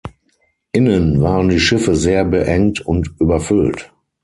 Innen waren die Schiffe sehr beengt und überfüllt.